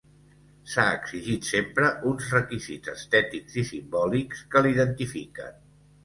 S'ha exigit sempre uns requisits estètics i simbòlics que l'identifiquen.